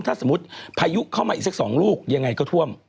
ถ้าสมมุติพายุเข้ามาอีกสัก๒ลูกยังไงก็ท่วม